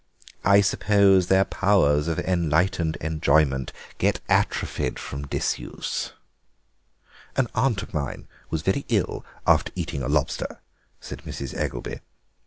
I suppose their powers of enlightened enjoyment get atrophied from disuse." "An aunt of mine was very ill after eating a lobster," said Mrs. Eggelby.